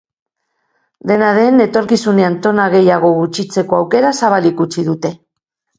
Dena den, etorkizunean tona gehiago gutxitzeko aukera zabalik utzi dute.